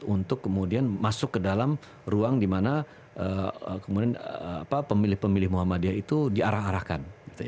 untuk kemudian masuk ke dalam ruang dimana pemilih pemilih muhammadiyah itu diarahkan